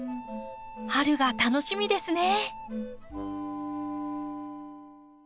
春が楽しみですね。